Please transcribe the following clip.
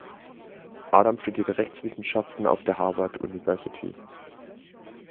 Adams studierte Rechtswissenschaften auf der Harvard University.